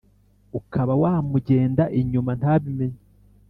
ukaba wamugenda inyuma ntabimenye.